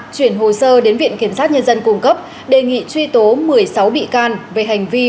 chuyển hồ sơ đến viện kiểm sát nhân dân cung cấp đề nghị truy tố một mươi sáu bị can về hành vi